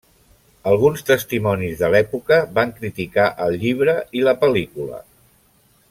Alguns testimonis de l'època van criticar el llibre i la pel·lícula.